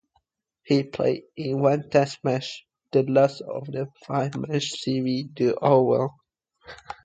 He played in one Test match-the last of the five-match series, at The Oval.